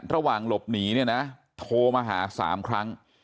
ระหว่างหลบหนีเนี่ยนะโทรมาหา๓ครั้ง